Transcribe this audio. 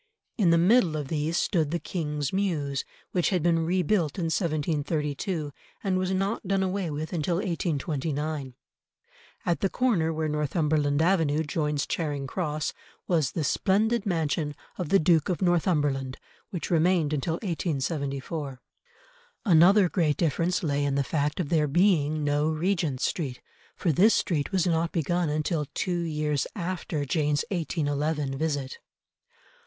In the middle of these stood the King's Mews, which had been rebuilt in 1732, and was not done away with until 1829. At the corner where Northumberland Avenue joins Charing Cross, was the splendid mansion of the Duke of Northumberland, which remained until 1874. Another great difference lay in the fact of there being no Regent Street, for this street was not begun until two years after Jane's 1811 visit.